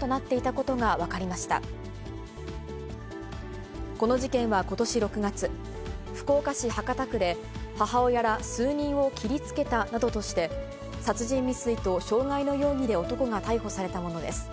この事件はことし６月、福岡市博多区で母親ら数人を切りつけたなどとして、殺人未遂と傷害の容疑で男が逮捕されたものです。